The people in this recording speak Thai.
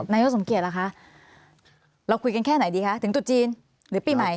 นายกสมเกียจล่ะคะเราคุยกันแค่ไหนดีคะถึงจุดจีนหรือปีใหม่